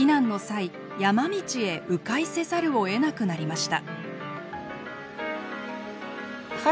山道へ迂回せざるをえなくなりました。